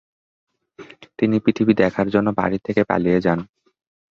তিনি পৃথিবী দেখার জন্য বাড়ি থেকে পালিয়ে যান।